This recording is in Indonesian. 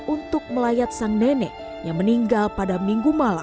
untuk melayat sang nenek yang meninggal pada minggu malam